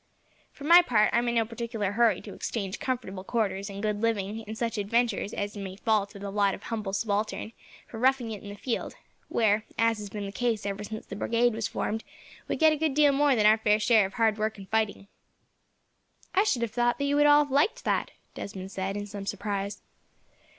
"For my part, I am in no particular hurry to exchange comfortable quarters, and good living, and such adventures as may fall to the lot of a humble subaltern, for roughing it in the field; where, as has been the case ever since the Brigade was formed, we get a good deal more than our fair share of hard work and fighting." "I should have thought that you would all have liked that," Desmond said, in some surprise.